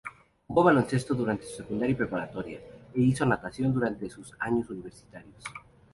Jugó baloncesto durante la secundaria y preparatoria, e hizo natación durante sus años universitarios.